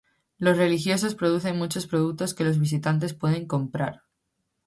Los religiosos producen muchos productos que los visitantes pueden comprar.